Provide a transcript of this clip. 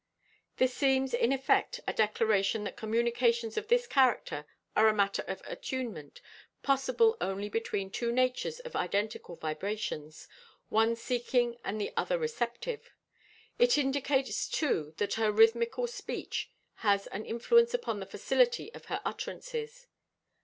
This seems, in effect, a declaration that communications of this character are a matter of attunement, possible only between two natures of identical vibrations, one seeking and the other receptive. It indicates too that her rhythmical speech has an influence upon the facility of her utterances.